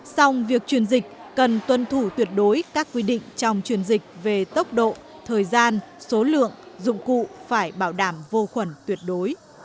song việc truyền dịch cần tuân thủ tuyệt đối các quy định trong truyền dịch về tốc độ thời gian số lượng dụng cụ phải bảo đảm vô khuẩn tuyệt đối